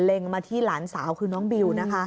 มาที่หลานสาวคือน้องบิวนะคะ